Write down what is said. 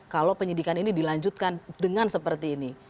kalau penyidikan ini dilanjutkan dengan seperti ini